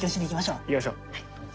行きましょう。